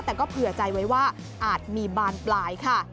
แต่ก็เผื่อใจไว้ว่าอาจมีบานปลายค่ะ